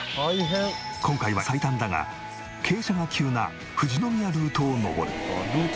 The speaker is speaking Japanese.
今回は最短だが傾斜が急な富士宮ルートを登る。